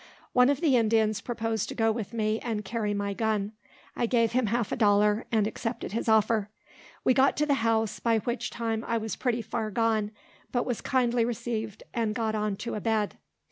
One of the Indians proposed to go with me, and carry my gun. I gave him half a dollar, and accepted his offer. We got to the house, by which time I was pretty far gone, but was kindly received, and got on to a bed.